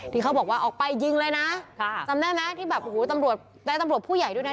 ที่เขาบอกว่าออกไปยิงเลยนะจำได้ไหมที่แบบโอ้โหตำรวจได้ตำรวจผู้ใหญ่ด้วยนะ